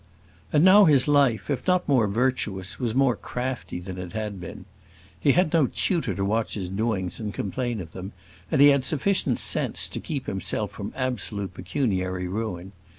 And now his life, if not more virtuous, was more crafty than it had been. He had no tutor to watch his doings and complain of them, and he had sufficient sense to keep himself from absolute pecuniary ruin.